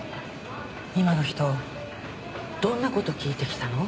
今の人どんな事聞いてきたの？